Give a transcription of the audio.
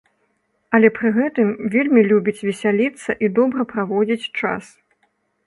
Але пры гэтым вельмі любіць весяліцца і добра праводзіць час.